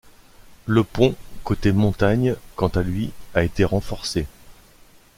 Le pont côté montagne, quant à lui, a été renforcé.